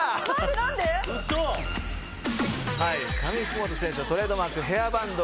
「上福元選手のトレードマークヘアバンド」